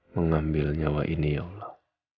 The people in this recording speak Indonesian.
mengambil nyawa ini ya allah